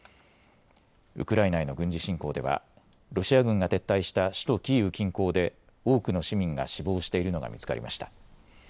ウクライナへの軍事侵攻ではロシア軍が撤退した首都キーウ近郊で多くの市民が死亡しているのが見つかりました。